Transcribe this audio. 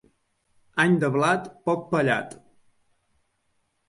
Any de blat, poc pallat.